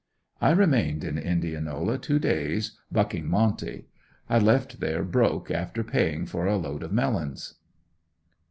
I remained in Indianola two days "bucking" monte. I left there broke after paying for a load of melons.